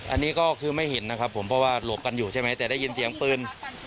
อันนี้ก็คือไม่เห็นนะครับผมเพราะว่าหลบกันอยู่ใช่ไหมแต่ได้ยินเสียงปืน